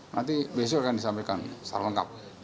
nanti besok akan disampaikan secara lengkap